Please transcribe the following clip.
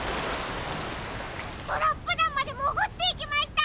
トラップだんまでもぐっていきました！